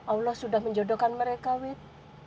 allah sudah menjodohkan mereka wit